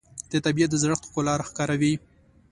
د طبیعت د زړښت ښکلا راښکاره وي